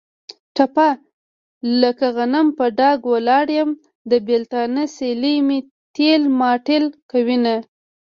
ټپه: لکه غنم په ډاګ ولاړ یم. د بېلتانه سیلۍ مې تېل ماټېل کوینه.